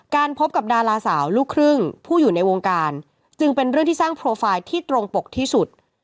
พบกับดาราสาวลูกครึ่งผู้อยู่ในวงการจึงเป็นเรื่องที่สร้างโปรไฟล์ที่ตรงปกที่สุด